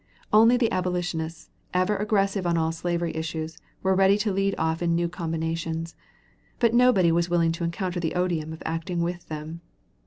Only the abolitionists, ever aggressive on all slavery issues, were ready to lead off in new combinations, but nobody was willing to encounter the odium of acting with them.